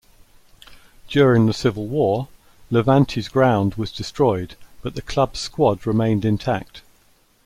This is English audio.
During the Civil War, Levante's ground was destroyed, but the club's squad remained intact.